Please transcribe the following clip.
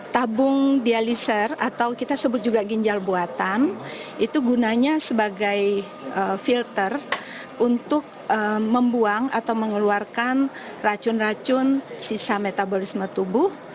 tabung dialiser atau kita sebut juga ginjal buatan itu gunanya sebagai filter untuk membuang atau mengeluarkan racun racun sisa metabolisme tubuh